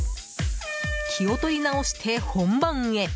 気を取り直して本番へ。